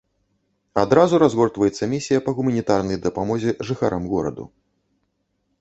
Адразу разгортваецца місія па гуманітарнай дапамозе жыхарам гораду.